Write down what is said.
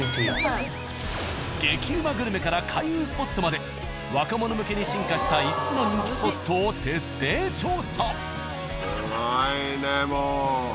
激うまグルメから開運スポットまで若者向けに進化した５つの人気スポットを徹底調査。